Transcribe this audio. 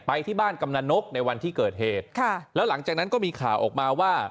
ไปที่บ้านกำนันนกในวันที่เกิดเหตุค่ะแล้วหลังจากนั้นก็มีข่าวออกมาว่า